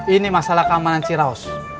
ini masalah keamanan ciraus